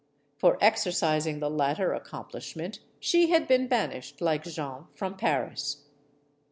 For exercising the latter accomplishment, she had been banished, like Jeanne, from Paris.